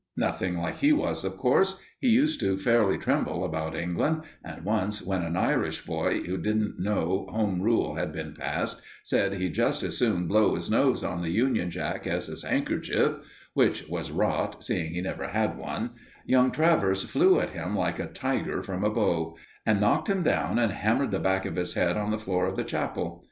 Nothing like he was, of course. He used to fairly tremble about England, and once, when an Irish boy, who didn't know Home Rule had been passed, said he'd just as soon blow his nose on the Union Jack as his handkerchief which was rot, seeing he never had one young Travers flew at him like a tiger from a bow, and knocked him down and hammered the back of his head on the floor of the chapel.